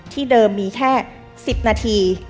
เดิมมีแค่๑๐นาที